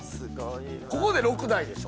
ここで６台でしょ。